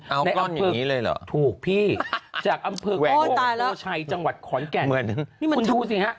เอาก้อนอย่างนี้เลยเหรอถูกพี่จากอำเภิกโอชัยจังหวัดขอนแก่นคุณดูสิฮะ